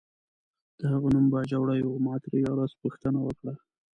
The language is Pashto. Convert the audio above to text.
د هغه نوم باجوړی و، ما ترې یوه ورځ پوښتنه وکړه.